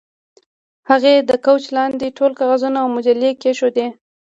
هغې د کوچ لاندې ټول کاغذونه او مجلې کیښودې